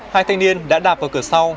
hai thanh niên đã đạp vào cửa sau